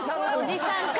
おじさんか。